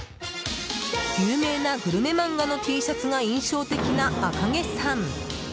有名なグルメ漫画のＴシャツが印象的なアカゲさん。